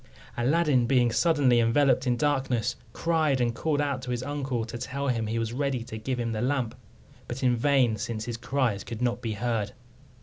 Aladdin being suddenly enveloped in darkness, cried, and called out to his uncle to tell him he was ready to give him the lamp; but in vain, since his cries could not be heard.